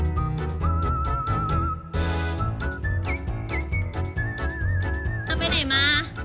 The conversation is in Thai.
ตาไปไหนมา